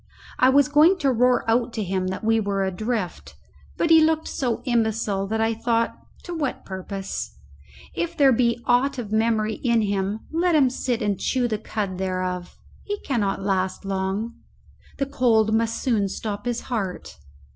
I was going to roar out to him that we were adrift, but he looked so imbecile that I thought, to what purpose? If there be aught of memory in him, let him sit and chew the cud thereof. He cannot last long; the cold must soon stop his heart.